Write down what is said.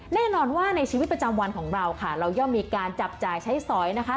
แน่นอนว่าในชีวิตประจำวันของเราค่ะเราย่อมมีการจับจ่ายใช้สอยนะคะ